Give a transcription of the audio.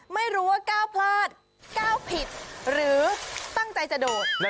ไม่รู้ว่าก้าวพลาดก้าวผิดหรือตั้งใจจะโดด